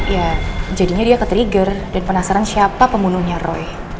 ya jadinya dia ketrigger dan penasaran siapa pembunuhnya roy